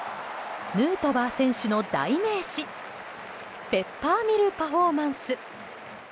ヌートバー選手の代名詞ペッパーミル・パフォーマンス。